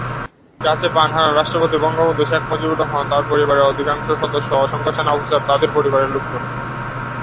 যাতে প্রাণ হারান রাষ্ট্রপতি বঙ্গবন্ধু শেখ মুজিবুর রহমান, তার পরিবারের অধিকাংশ সদস্য, অসংখ্য সেনা অফিসার, তাদের পরিবারের লোকজন।